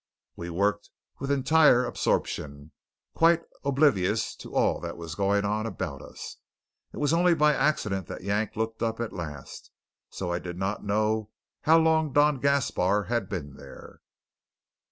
We worked with entire absorption, quite oblivious to all that was going on about us. It was only by accident that Yank looked up at last, so I do not know how long Don Gaspar had been there.